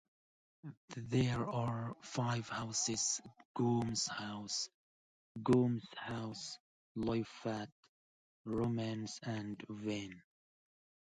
There are five Houses: Gomes, Hose, Loyfatt, Romanis and Venn.